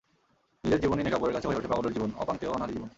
নিজের জীবনই নেকাব্বরের কাছে হয়ে ওঠে পাগলের জীবন, অপাঙ্ক্তেয়, অনাহারী জীবন।